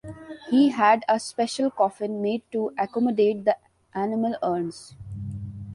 He had a special coffin made to accommodate the animal urns.